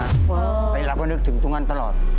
เพราะเราก็นึกถึงตรงนั้นตลอด